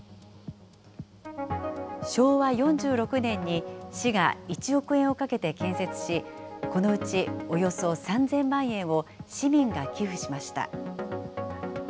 昭和４６年に市が１億円をかけて建設し、このうちおよそ３０００万円を市民が寄付しました。